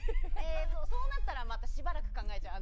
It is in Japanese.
そうなったらまた、しばらく考えちゃう。